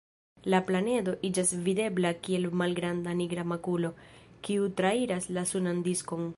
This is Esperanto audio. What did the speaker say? La planedo iĝas videbla kiel malgranda nigra makulo, kiu trairas la sunan diskon.